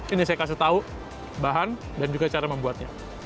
ini saya kasih tahu bahan dan juga cara membuatnya